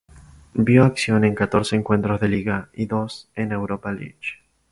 Vio acción en catorce encuentros de liga, y dos en la Europa League.